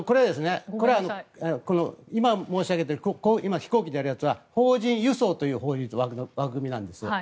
これは、今申し上げている飛行機でやるやつは邦人輸送という枠組みなんです。